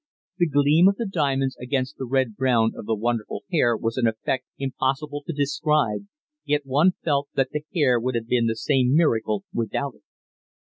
The gleam of the diamonds against the red brown of the wonderful hair was an effect impossible to describe yet one felt that the hair would have been the same miracle without it.